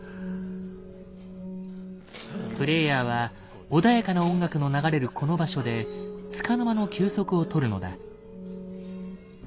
プレイヤーは穏やかな音楽の流れるこの場所でつかの間の休息を取るのだ。